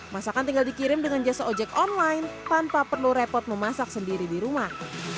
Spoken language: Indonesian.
masakan tinggal dikirim dengan jasa ojek online tanpa perlu repot memasak sendiri di rumah